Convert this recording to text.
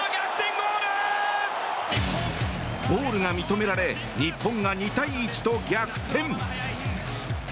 ゴールが認められ日本が２対１と逆転。